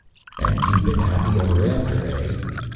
"And you've been happy ever after, eh?"